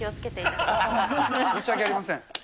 申し訳ありません。